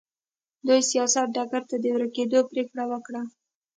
دوی سیاست ډګر ته د ورګډېدو پرېکړه وکړه.